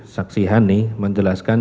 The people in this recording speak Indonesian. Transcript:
saksi hani menjelaskan